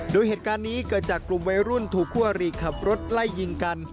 โดยเหตุการณ์นี้เกิดจากกลุ่มวัยรุ่นถูกคู่อารีขับรถไล่ยิงกัน